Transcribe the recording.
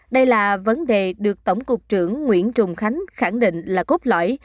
đây là vấn đề được tổng cục trưởng nguyễn trùng khánh khẳng định là cốt lõi